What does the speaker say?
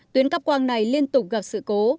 tuyến cắp quăng này liên tục gặp sự cố